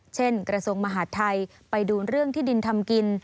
เช่นกระสวงส์มหาธ์ไทยไปดูเรื่องที่ดินทำกิน